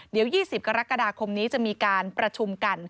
เดี๋ยว๒๐กรกฎาคมนี้จะมีการประชุมกัน